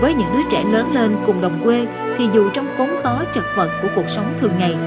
với những đứa trẻ lớn lên cùng đồng quê thì dù trong khốn khó chật vật của cuộc sống thường ngày